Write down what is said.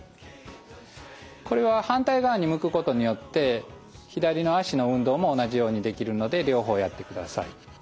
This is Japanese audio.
これは反対側に向くことによって左の脚の運動も同じようにできるので両方やってください。